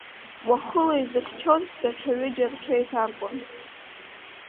Уахыла изыхьчоз даҽа ҩыџьа рҽеиҭаркуан.